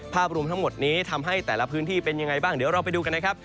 ภาพรวมทั้งหมดนี้ทำให้แต่ละพื้นที่เป็นยังไงบ้างเดี๋ยวเราไปดูกันนะครับ